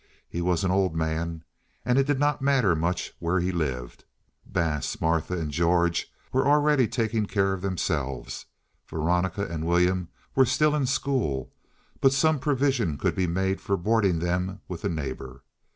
He was an old man, and it did not matter much where he lived. Bass, Martha, and George were already taking care of themselves. Veronica and William were still in school, but some provision could be made for boarding them with a neighbor.